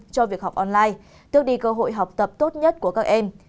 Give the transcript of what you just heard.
cho việc học online tước đi cơ hội học tập tốt nhất của các em